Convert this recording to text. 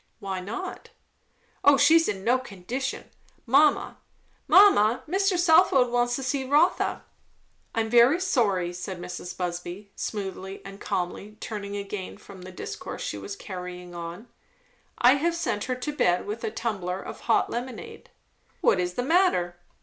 "Why not?" "O she's in no condition. Mamma mamma! Mr. Southwode wants to see Rotha." "I am very sorry!" said Mrs. Busby smoothly and calmly, turning again from the discourse she was carrying on, "I have sent her to bed with a tumbler of hot lemonade." "What is the matter?"